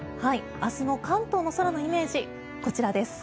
明日の関東の空のイメージこちらです。